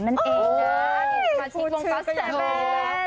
มาทิ้งลงกับแซมแมน